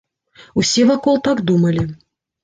Усе вакол так думалі.